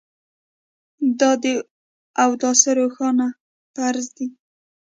دا د اودس روښانه فرض دی